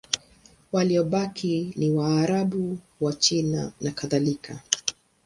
Waliobaki ni Waarabu, Wachina nakadhalika.